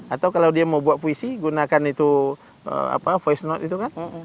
atau kalau dia mau buat puisi gunakan itu voice note itu kan